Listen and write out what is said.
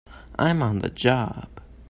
I'm on the job!